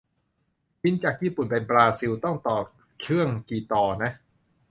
บินจากญี่ปุ่นไปบราซิล ต้องต่อเครื่องกี่ต่อนะ